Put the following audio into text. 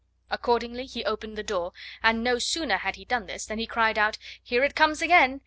Accordingly he opened the door; and no sooner had he done this, than he cried out, "Here it comes again!"